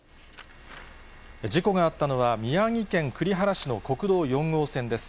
事故があったのは、宮城県栗原市の国道４号線です。